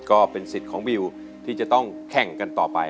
ก็เป็นสิทธิ์ของบิวที่จะต้องแข่งกันต่อไป